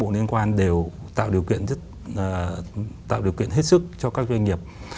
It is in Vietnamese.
đều tạo điều kiện hết sức cho các doanh nghiệp